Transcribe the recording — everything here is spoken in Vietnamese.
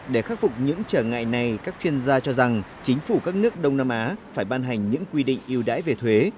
để khắc phục những trở ngại này các chuyên gia cho rằng chính phủ các nước đông nam á phải ban hành những quy định yêu đãi về thuế